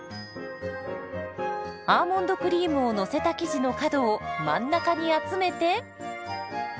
アーモンドクリームをのせた生地の角を真ん中に集めて。